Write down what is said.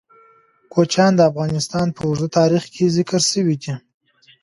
کوچیان د افغانستان په اوږده تاریخ کې ذکر شوی دی.